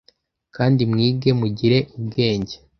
kandi mwige mugire ubwenge